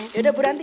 eh ya udah bu ranti